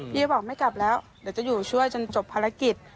พี่ก็บอกไม่กลับแล้วเดี๋ยวจะอยู่ช่วยจนจบภารกิจ